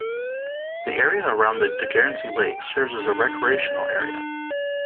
The area around the Tegernsee lake serves as a recreational area.